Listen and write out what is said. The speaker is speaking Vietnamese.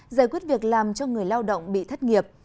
giải quyết việc làm cho người lao động bị thất nghiệp